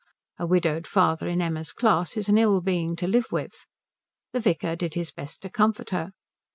A widowed father in Emma's class is an ill being to live with. The vicar did his best to comfort her.